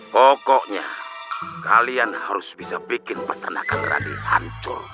pokoknya kalian harus bisa bikin pertanakan rani hancur